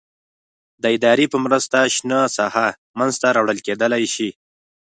د ادارې په مرسته شنه ساحه منځته راوړل کېدلای شي.